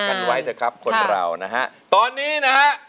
กันไว้เถอะครับคนเรานะฮะตอนนี้นะฮะ